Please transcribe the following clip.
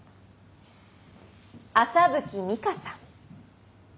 麻吹美華さん。